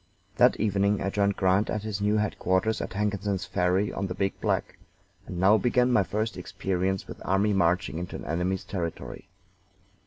That evening I joined Grant at his new headquarters at Hankinson's Ferry on the Big Black, and now began my first experience with army marching into an enemy's territory.